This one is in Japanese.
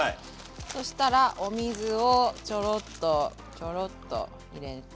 そしたらお水をちょろっとちょろっと入れて。